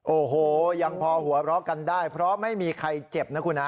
โอ้โหยังพอหัวเราะกันได้เพราะไม่มีใครเจ็บนะคุณฮะ